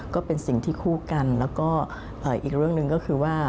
ก็เป็นสิ่งที่คู่กันแล้วก็อีกเรื่องหนึ่งก็คือว่า